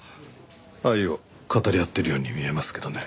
愛を語り合ってるように見えますけどね。